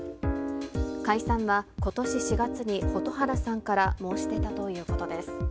解散はことし４月に蛍原さんから申し出たということです。